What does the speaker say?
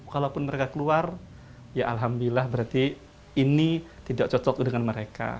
kalaupun mereka keluar ya alhamdulillah berarti ini tidak cocok dengan mereka